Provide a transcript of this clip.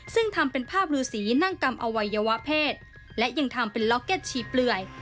ซึ่งทำเป็นภาพรือสีนั่งกำอวัยวะเพศและยังทำเป็นล็อกเก็ตชีเปลื่อย